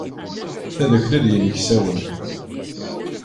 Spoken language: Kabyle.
Tadukli d yimeksawen.